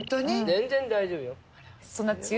全然大丈夫よ。